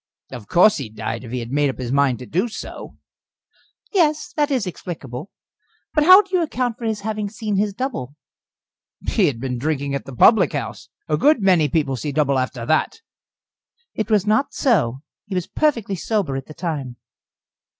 "Of course he died, if he had made up his mind to do so." "Yes that is explicable. But how do you account for his having seen his double?" "He had been drinking at the public house. A good many people see double after that." "It was not so. He was perfectly sober at the time."